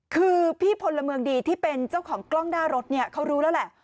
คือพี่พลเมืองดีที่เป็นเจ้าของกล้องหน้ารถเนี่ยเขารู้แล้วแหละ